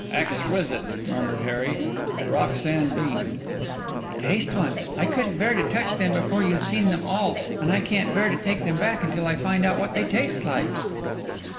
"Exquisite," murmured Harry. Roxanne beamed. "Taste one. I couldn't bear to touch them before you'd seen them all and I can't bear to take them back until I find what they taste like."